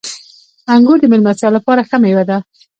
• انګور د میلمستیا لپاره ښه مېوه ده.